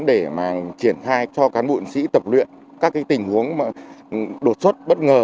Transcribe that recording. để triển thai cho cán bụng sĩ tập luyện các tình huống đột xuất bất ngờ